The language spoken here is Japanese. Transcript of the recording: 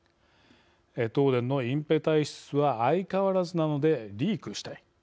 「東電の隠蔽体質は相変わらずなのでリークしたい」。